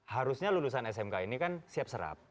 harusnya lulusan smk ini kan siap serap